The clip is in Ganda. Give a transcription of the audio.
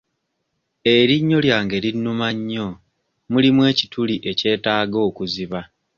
Erinnyo lyange linnuma nnyo mulimu ekituli ekyetaaga okuziba.